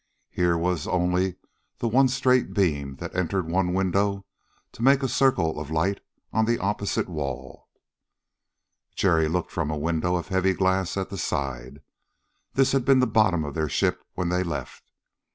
Here was only the one straight beam that entered one window to make a circle of light on the opposite wall. Jerry looked from a window of heavy glass at the side. This had been the bottom of their ship when they left.